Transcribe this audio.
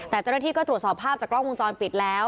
แต่เจ้าหน้าที่ก็ตรวจสอบภาพจากกล้องวงจรปิดแล้ว